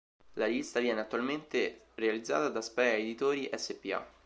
La rivista viene attualmente realizzata da Sprea Editori spa.